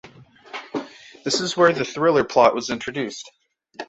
This is where the "thriller" plot was introduced.